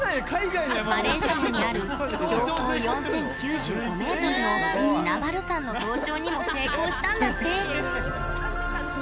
マレーシアにある標高４０９５ｍのキナバル山の登頂にも成功したんだって。